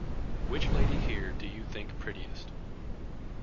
Which lady here do you think prettiest?